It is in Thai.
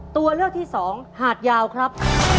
ตัวเลือกที่สองหาดยาวครับ